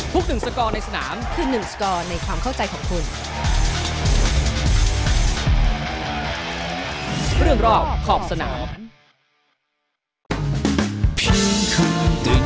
ทุกหนึ่งสกอร์ในสนามคือหนึ่งสกอร์ในความเข้าใจของคุณ